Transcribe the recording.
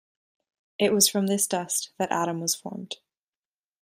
It was from this dust that Adam was formed.